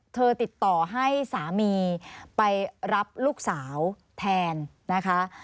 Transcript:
ติดต่อให้สามีไปรับลูกสาวแทนนะคะ